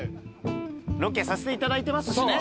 ロケさせていただいてますしね。